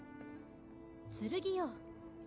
剣よ